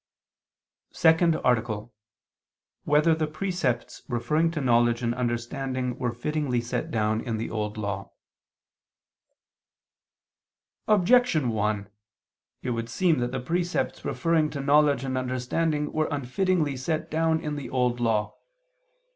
_______________________ SECOND ARTICLE [II II, Q. 16, Art. 2] Whether the Precepts Referring to Knowledge and Understanding Were Fittingly Set Down in the Old Law? Objection 1: It would seem that the precepts referring to knowledge and understanding were unfittingly set down in the Old Law.